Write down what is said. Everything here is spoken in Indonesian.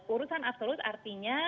urusan absolut artinya